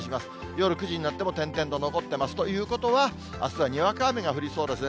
夜９時になっても、点々と残ってますということは、あすはにわか雨が降りそうですね。